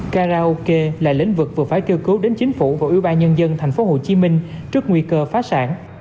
karaoke là lĩnh vực vừa phải kêu cứu đến chính phủ và ủy ban nhân dân tp hcm trước nguy cơ phá sản